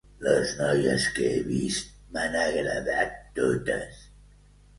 Les noies que he vist, m'han agradat totes.